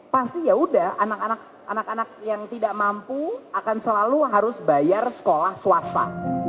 pasti yaudah anak anak yang tidak mampu akan selalu harus bayar sekolah swasta